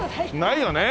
ないよね